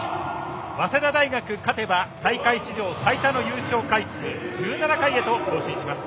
早稲田大学、勝てば大会史上最多の優勝回数１７回へと更新します。